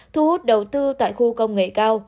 thu hút đầu tư tại khu công nghệ cao